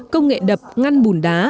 công nghệ đập ngăn bùn đá